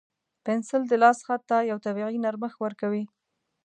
پنسل د لاس خط ته یو طبیعي نرمښت ورکوي.